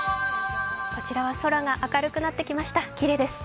こちらは空が明るくなってきました、きれいです。